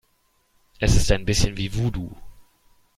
Es ist ein bisschen wie Voodoo.